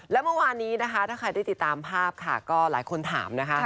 และเมื่อวานนี้นะคะถ้าใครได้ติดตามภาพค่ะก็หลายคนถามนะคะ